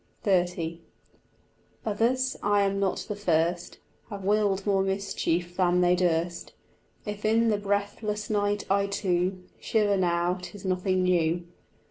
XXX Others, I am not the first, Have willed more mischief than they durst: If in the breathless night I too Shiver now, 'tis nothing new.